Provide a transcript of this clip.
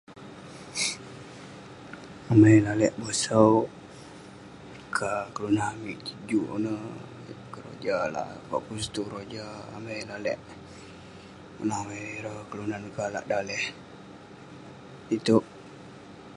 Amai lalek bosau, kah kelunan amik tong juk ineh, keroja la...fokus tong keroja, amai lalek menawai ireh kelunan kah lak daleh itouk